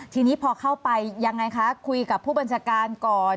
ทีนี้พอเข้าไปยังไงคะคุยกับผู้บัญชาการก่อน